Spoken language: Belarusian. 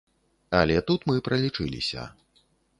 Але тут мы пралічыліся.